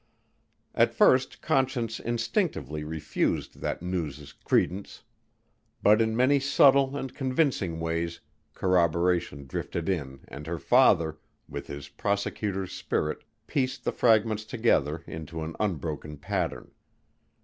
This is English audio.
At first Conscience instinctively refused that news credence, but in many subtle and convincing ways corroboration drifted in and her father, with his prosecutor's spirit, pieced the fragments together into an unbroken pattern.